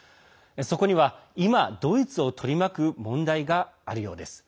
そこには今、ドイツを取り巻く問題があるようです。